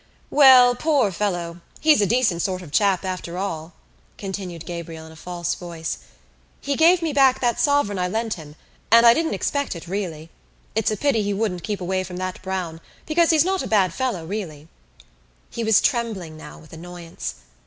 "Well, poor fellow, he's a decent sort of chap after all," continued Gabriel in a false voice. "He gave me back that sovereign I lent him, and I didn't expect it, really. It's a pity he wouldn't keep away from that Browne, because he's not a bad fellow, really." He was trembling now with annoyance.